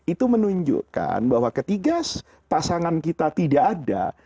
itu menunjukkan bahwa ketika pasangan kita tidak ada